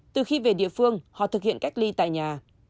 từ khi về địa phương họ thực hiện cách ly tại nhà